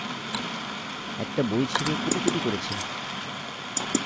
একটা বই ছিঁড়ে কুটিকুটি করেছে।